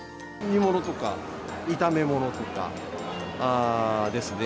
煮物とか、炒め物とかですね。